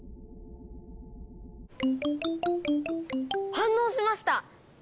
反応しました！